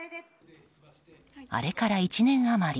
あれから１年余り。